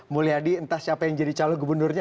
mulyadi entah siapa yang jadi calon gubernurnya